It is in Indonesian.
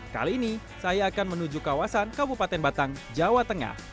kali ini saya akan menuju kawasan kabupaten batang jawa tengah